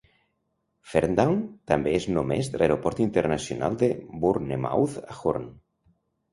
Ferndown també és només de l'Aeroport Internacional de Bournemouth a Hurn.